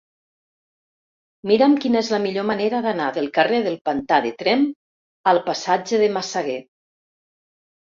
Mira'm quina és la millor manera d'anar del carrer del Pantà de Tremp al passatge de Massaguer.